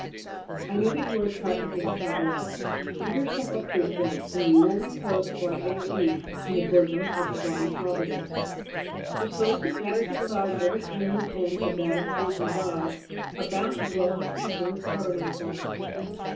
I know that you are attracted to this happiness. Give yourself up to it, then, and you will repose quite at your ease in the bosom of divine Providence; for souls who cast aside every aim and end but that of pleasing God are bound to dwell in peace in this tabernacle.